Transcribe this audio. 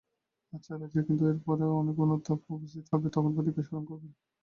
আচ্ছা রাজি, কিন্তু এর পরে যখন অনুতাপ উপস্থিত হবে তখন প্রতিজ্ঞা স্মরণ করবেন।